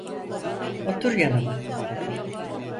Otur yanıma!" dedi.